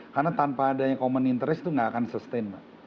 karena tanpa adanya common interest tuh gak akan sustain pak